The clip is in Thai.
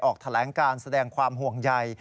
ออกแถลงการแสดงความห่วงใย